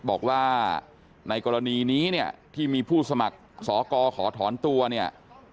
บอกว่าในกรณีนี้เนี่ยที่มีผู้สมัครสอกรขอถอนตัวเนี่ย